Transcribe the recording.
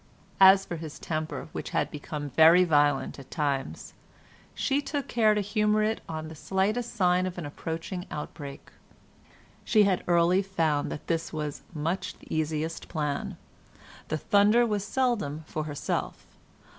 As for his temper, which had become very violent at times, she took care to humour it on the slightest sign of an approaching outbreak. She had early found that this was much the easiest plan. The thunder was seldom for herself.